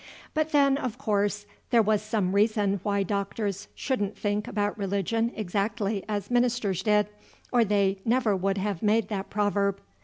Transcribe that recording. But then, of course, there was some reason why doctors shouldn't think about religion exactly as ministers did, or they never would have made that proverb.